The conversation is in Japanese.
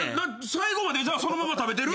最後までそのままで食べてる？